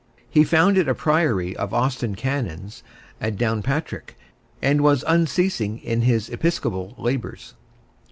He founded a priory of Austin Canons at Downpatrick, and was unceasing in his episcopal labours.